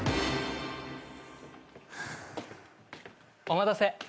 お待たせ。